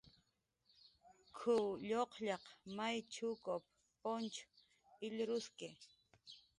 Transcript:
"K""uw lluqllaq may chukup punch ilruski"